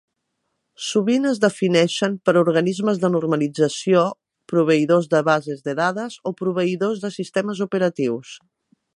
Sovint es defineixen per organismes de normalització, proveïdors de bases de dades o proveïdors de sistemes operatius.